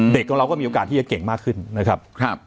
ของเราก็มีโอกาสที่จะเก่งมากขึ้นนะครับ